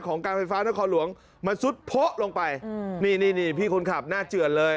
ของการไฟฟ้านครหลวงมันสุดโผล่ลงไปนี่นี่นี่พี่คนขับน่าเจือนเลย